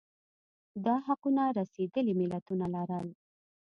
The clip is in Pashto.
دا حقونه رسېدلي ملتونه لرل